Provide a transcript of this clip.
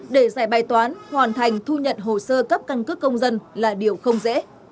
để giải bài toán hoàn thành thu nhận hồ sơ cấp căn cước công dân là điều không dễ